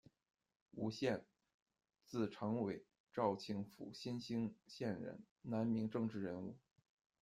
吴献，字呈伟，肇庆府新兴县人，南明政治人物。